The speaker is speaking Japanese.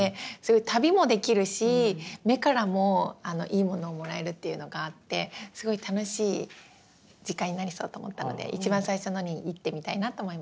旅もできるし目からもいいものをもらえるっていうのがあってすごい楽しい時間になりそうと思ったので一番最初のに行ってみたいなと思います。